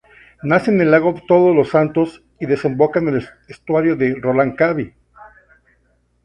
Nace en el lago Todos los Santos y desemboca en el estuario de Reloncaví.